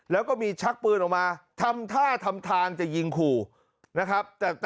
แล้วก็มีชักปืนออกมาทำท่าทำทางจะยิงขู่นะครับ